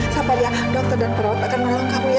sampai dia dokter dan perawat akan nolong kamu ya